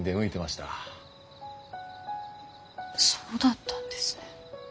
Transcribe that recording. そうだったんですね。